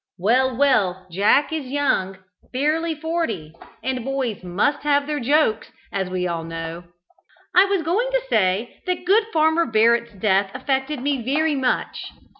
Well, well, Jack is young; barely forty, and boys must have their jokes, as we all know. I was going to say that good Farmer Barrett's death affected me very much.